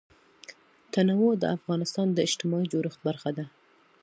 تنوع د افغانستان د اجتماعي جوړښت برخه ده.